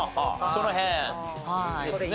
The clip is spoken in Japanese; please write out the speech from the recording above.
その辺ですね。